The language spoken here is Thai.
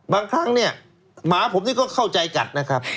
บางครั้งหมาผมก็เข้าใจกัด